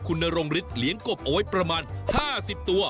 คุณนรงฤทธิเลี้ยงกบเอาไว้ประมาณ๕๐ตัว